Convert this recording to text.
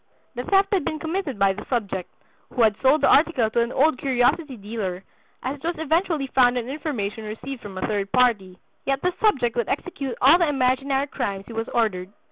The theft had been committed by the subject, who had sold the article to an old curiosity dealer, as it was eventually found on information received from a third party. Yet this subject would execute all the imaginary crimes he was ordered."